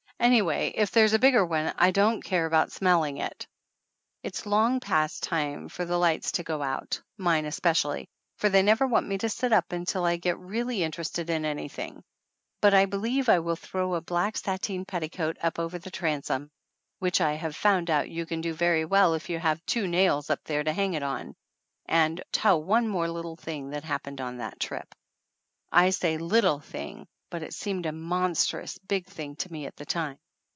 Anyway, if there's a bigger one I don't care about smelling it ! It's long past time for the lights to go out, mine especially, for they never want me to sit up until I get really interested in anything ; but I believe I will throw a black sateen petticoat up over the transom, which I have found out you can do very well if you have two nails up there to hang it on, and tell one more little thing that happened on that trip. I say "little thing," but it seemed a monstrous big thing to me at the time.